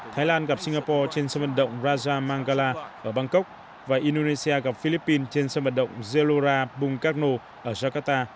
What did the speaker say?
thái lan gặp singapore trên sân vận động raja mangala ở bangkok và indonesia gặp philippines trên sân vận động zelora bungkarno ở jakarta